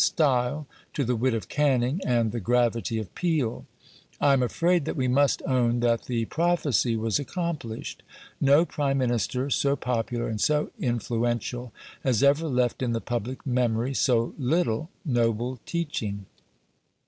style to the wit of Canning and the gravity of Peel." I am afraid that we must own that the prophecy was accomplished. No Prime Minister, so popular and so influential, has ever left in the public memory so little noble teaching.